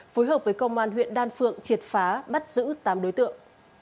phối hợp với công an huyện đan phượng triệt phá bắt giữ tám đối tượng